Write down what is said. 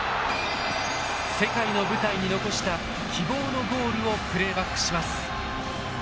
世界の舞台に残した希望のゴールをプレーバックします。